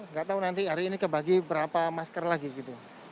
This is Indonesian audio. nggak tahu nanti hari ini kebagi berapa masker lagi gitu